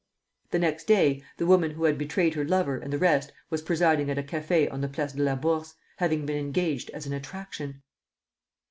The next day the woman who had betrayed her lover and the rest was presiding at a café on the Place de la Bourse, having been engaged as an attraction!